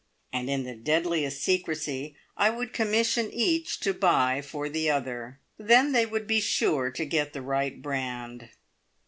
And in the deadliest secrecy I would commission each to buy for the other. Then they would be sure to get the right brand.